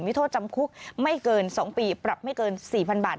มีโทษจำคุกไม่เกิน๒ปีปรับไม่เกิน๔๐๐๐บาท